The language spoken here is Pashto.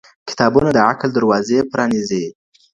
کتابونه د عقل دروازې پرانیزي.